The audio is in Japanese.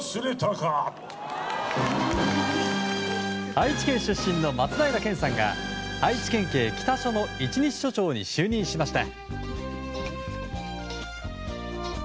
愛知県出身の松平健さんが愛知県警北署の一日署長に就任しました。